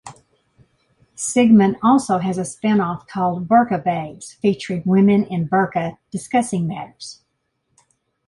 "Sigmund" also has a spin-off called "Burka Babes", featuring women in burka discussing matters.